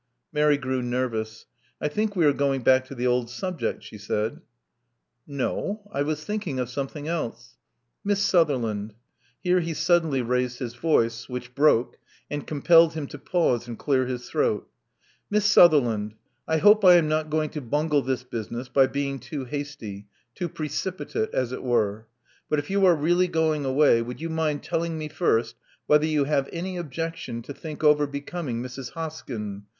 Mary grew nervous. I think we are going back to the old subject," she said. No. I was thinking of something else. Miss Sutherland " here he suddenly raised his voice, which broke, and compelled him to pause and clear his throat — Miss Sutherland: I hope I am not going to bungle this business by being too hasty — too pre cipitate, as it were. But if you are really going away, would you mind telling me first whether you have any objection to think over becoming Mrs. Hoskyn.